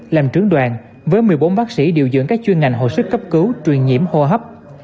làm trưởng đoàn với một mươi bốn bác sĩ điều dưỡng các chuyên ngành hồi sức cấp cứu truyền nhiễm hô hấp